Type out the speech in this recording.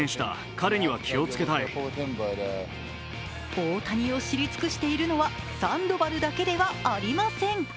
大谷を知り尽くしているのはサンドバルだけではありません。